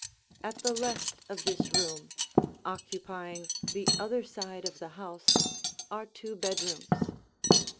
At the left of this room, occupying the other side of the house, are two bedrooms.